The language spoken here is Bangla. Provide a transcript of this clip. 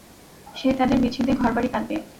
যে তাদের বিচ্ছেদে ঘরবাড়ী কাঁদবে!